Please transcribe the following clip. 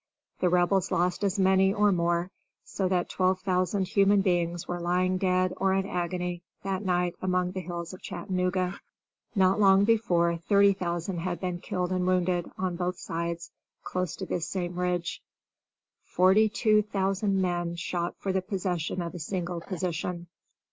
The Rebels lost as many, or more, so that twelve thousand human beings were lying dead, or in agony, that night among the hills of Chattanooga. Not long before, thirty thousand had been killed and wounded, on both sides, close to this same Ridge. Forty two thousand men shot for the possession of a single position.